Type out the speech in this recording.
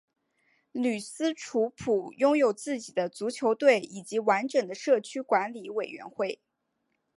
吕斯楚普拥有自己的足球队以及完整的社区管理委员会